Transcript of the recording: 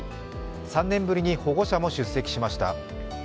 ３年ぶりに保護者も出席しました。